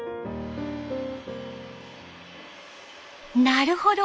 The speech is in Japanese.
「なるほど！